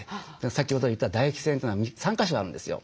先ほど言った唾液腺というのは３か所あるんですよ。